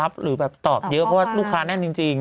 ไม่มีเวลาจะมารับหรือแบบตอบเยอะเพราะว่าลูกค้าแน่นจริง